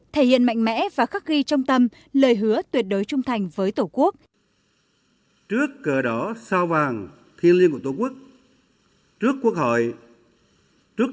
thể hiện mạnh mẽ và khắc ghi trong tâm lời hứa tuyệt đối trung thành với tổ quốc